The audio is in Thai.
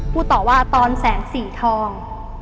พูดต่อว่าตอนแสงสีทอง